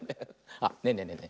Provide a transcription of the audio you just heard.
あっねえねえねえね